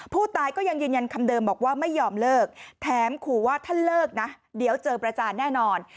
ผู้ตายก็ยังยืนยันคำเดิมบอกว่าไม่ยอมเลิกแถมขู่ว่าถ้าเลิกนะเดี๋ยวเจอประจานแน่นอน